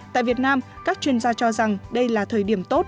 tại việt nam các chuyên gia cho rằng đây là thời điểm tốt